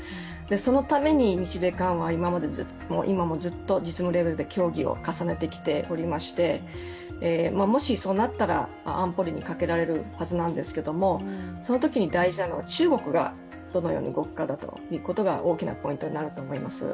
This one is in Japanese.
そのたびに日米韓はずっと実務レベルの協議を続けてきておりましてもしそうなったら安保理にかけられるはずなんですけどもそのときに大事なのは中国がどのように動くかだということが大きなポイントになると思います。